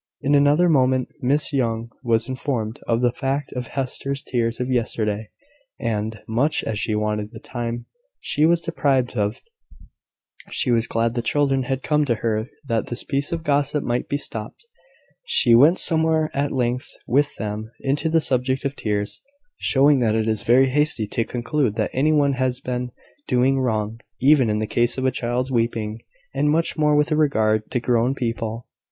In another moment Miss Young was informed of the fact of Hester's tears of yesterday; and, much as she wanted the time she was deprived of; she was glad the children had come to her, that this piece of gossip might be stopped. She went somewhat at length with them into the subject of tears, showing that it is very hasty to conclude that any one has been doing wrong, even in the case of a child's weeping; and much more with regard to grown people.